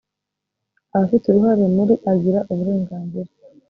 abafite uruhare muri agira uburenganzira